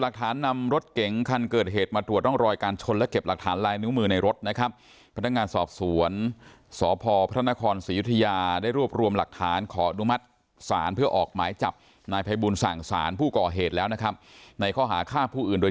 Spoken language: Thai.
ขับรถพุ่งชนเขาตอนเขาไม่รู้ตัวด้วย